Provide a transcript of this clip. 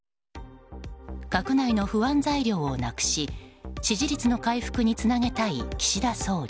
閣内の不安材料をなくし支持率の回復につなげたい岸田総理。